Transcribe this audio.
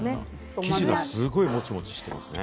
生地がすごいモチモチしてますね。